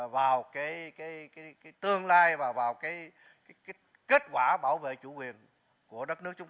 vào cái tương lai và vào cái kết quả bảo vệ chủ quyền của đất nước chúng